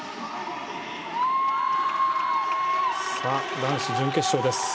男子準決勝です。